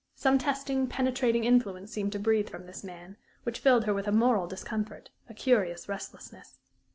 Some testing, penetrating influence seemed to breathe from this man, which filled her with a moral discomfort, a curious restlessness.